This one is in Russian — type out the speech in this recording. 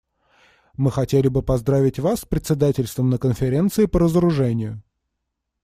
Мы хотели бы поздравить вас с председательством на Конференции по разоружению.